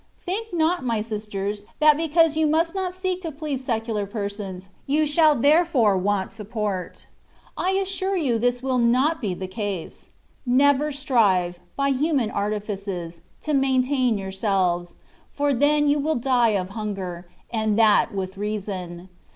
Think not, my sisters, that because you must not seek to please secular persons, you shall there fore want support. I assiu^e you this will not be the case. Never strive, by human artifices, to main tain yourselves, for then you will die of hunger, and that with reason.